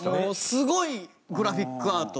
すごいグラフィックアート。